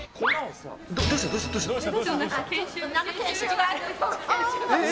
どうした？